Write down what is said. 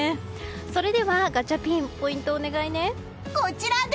それではガチャピンポイントお願いね。